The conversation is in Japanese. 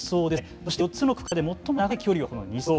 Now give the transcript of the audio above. そして４つの区間の中で最も長い距離を走る２走。